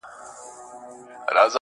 چي تابه وكړې راته ښې خبري~